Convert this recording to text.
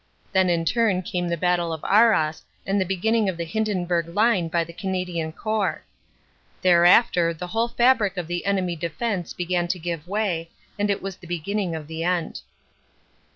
Then in turn came the Battle of Arras and the breaking of the Hinden burg Line by the Canadian Corps. Thereafter the whole fabric of the enemy defense began to give way and it was the beginning of the end.